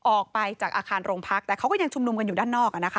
ออกไปจากอาคารโรงพักแต่เขาก็ยังชุมนุมกันอยู่ด้านนอก